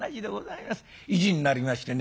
意地になりましてね